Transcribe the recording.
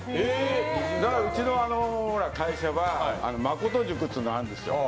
うちの会社は誠塾っていうのがあるんですよ。